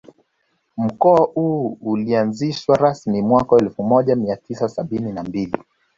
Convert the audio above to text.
Mkoa huu ulianzishwa rasmi mwaka elfu moja mia tisa sabini na mbili